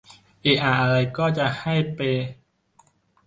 เอะอะอะไรก็จะให้เป็นเรื่องหมิ่นกษัตริย์นี่มันไม่ดีนะครับ